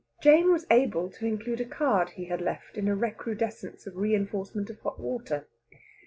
Jane was able to include a card he had left in a recrudescence or reinforcement of hot water.